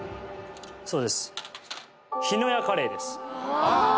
そうです日乃屋カレーです